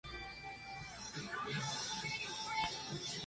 Lazcano pertenece a la serie de topónimos vascos terminados en el sufijo "-ano".